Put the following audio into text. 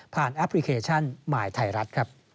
ผ่านแอปพลิเคชันหมายไทยรัฐ